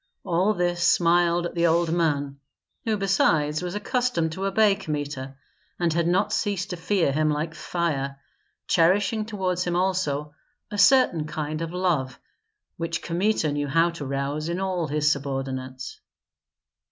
All this smiled at the old man, who besides was accustomed to obey Kmita, and had not ceased to fear him like fire, cherishing toward him also a certain kind of love, which Kmita knew how to rouse in all his subordinates.